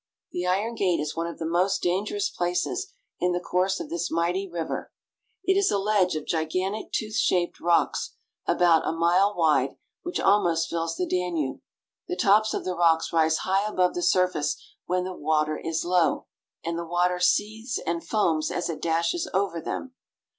The Iron Gate is one of the most dangerous places in the course of this mighty 3o8 SERVIA, BULGARIA, AND ROUMANIA. river. It is a ledge of gigantic tooth shaped rocks, about a mile wide, which almost fills the Danube. The tops of the rocks rise high above the surface when the river is low, and the water seethes and foams as it dashes over them.